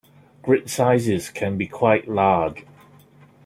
Grid sizes can be quite large.